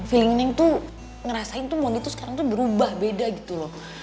feeling neng tuh ngerasain tuh mondi sekarang berubah beda gitu loh